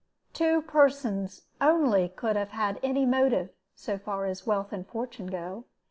Two persons only could have had any motive, so far as wealth and fortune go.